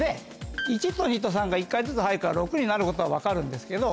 １と２と３が１回ずつ入るから６になることは分かるんですけど。